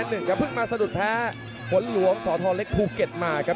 เพิ่งมาสะดุดแพ้ฝนหลวงสทเล็กภูเก็ตมาครับ